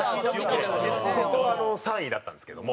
そこは３位だったんですけども。